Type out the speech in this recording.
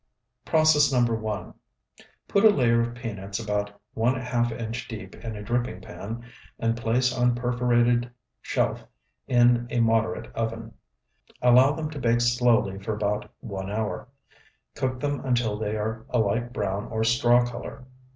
PROCESS NO. 1 Put a layer of peanuts about one half inch deep in a dripping pan and place on perforated shelf in a moderate oven. Allow them to bake slowly for about one hour. Cook them until they are a light brown or straw color.